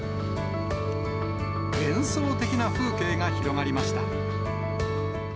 幻想的な風景が広がりました。